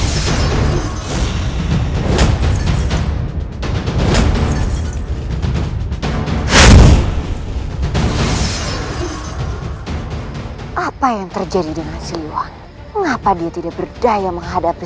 hai apa yang terjadi dengan siliwan mengapa dia tidak berdaya menghadapi